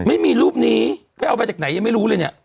มีอยู่หรอ